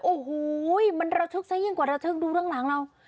โอ้โหมันระทึกซะยิ่งกว่าระทึกดูเรื่องหลังเรา